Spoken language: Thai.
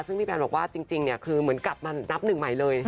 ซึ่งพี่แพนบอกว่าจริงคือเหมือนกลับมานับหนึ่งใหม่เลย